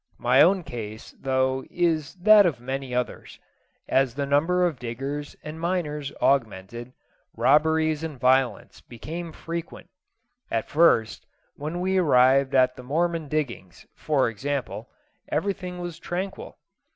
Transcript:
My own case, though, is that of many others. As the number of diggers and miners augmented, robberies and violence became frequent. At first, when we arrived at the Mormon diggings, for example, everything was tranquil.